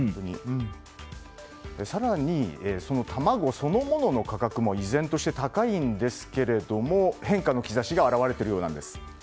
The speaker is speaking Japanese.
更に、卵そのものの価格も依然として高いんですけれども変化の兆しが表れているようなんです。